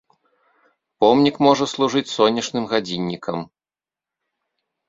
Помнік можа служыць сонечным гадзіннікам.